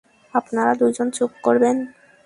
আপনারা দুইজন চুপ করবেন?